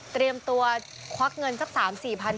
เตรียมตัวควักเงินสัก๓๔พัน